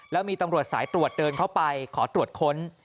แล้วมีตำรวจสายตรวจเดินเข้าไปขอตรวจค้น